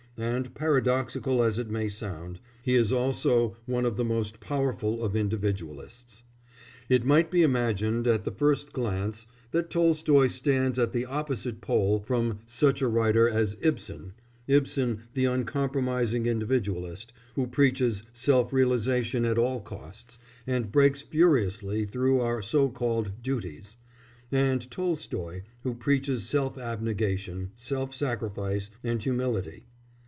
And, paradoxical as it may sound, he is also one of the most powerful of individualists. It might be imagined, at the first glance, that Tolstoy stands at the opposite pole from such a writer as Ibsen Ibsen the uncompromising individualist, who preaches self realisation at all costs, and breaks furiously through our so called "duties," and Tolstoy who preaches self abnegation, self sacrifice, and humility.